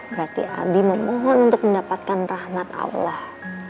berarti abi memohon untuk mendapatkan rahmat allah